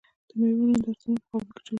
د میوو نندارتونونه په کابل کې جوړیږي.